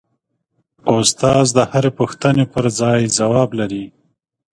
استاد د هرې پوښتنې پرځای ځواب لري.